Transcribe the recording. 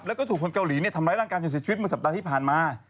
แล้วก็ถูกคนเกาหลีทำร้ายร่างกายจนเสียชีวิตเมื่อสัปดาห์ที่ผ่านมา